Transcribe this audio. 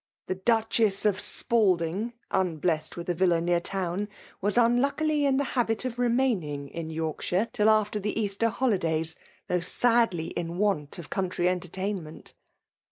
The Duchess oi Spf^lding, unblest with a villa near town, vmkt unluckily in the habit of remaining in York*. B^e till after the Easter holidays, tfiough Bt|dly in want of country entertaimaent.'